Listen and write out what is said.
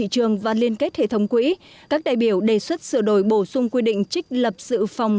trường và liên kết hệ thống quỹ các đại biểu đề xuất sửa đổi bổ sung quy định trích lập dự phòng